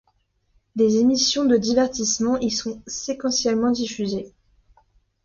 Des émissions de divertissement y sont sequentiellement diffusées.